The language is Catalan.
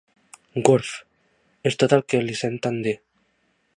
Gurf —és tot el que li senten dir.